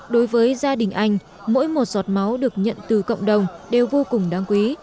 đối với gia đình anh mỗi một giọt máu được nhận từ cộng đồng đều vô cùng đáng quý